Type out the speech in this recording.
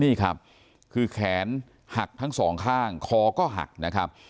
นี่ครับคือแขนหักทั้งสองข้างคอก็หักนะครับ